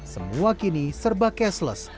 semua kini serba keseles